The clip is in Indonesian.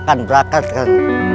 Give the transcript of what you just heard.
gantakan brakas kan